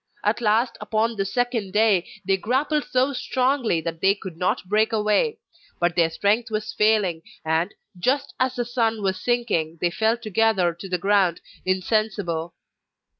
At last, upon the second day, they grappled so strongly that they could not break away; but their strength was failing, and, just as the sun was sinking, they fell together to the ground, insensible.